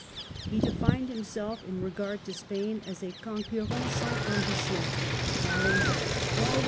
He defined himself, in regard to Spain, as a oonq}(4mi4 sans ambition^ adding, "all the.